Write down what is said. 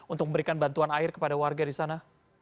untuk memberikan bantuan air kepada warga di sana